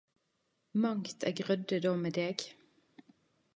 Mangt eg rødde då med deg.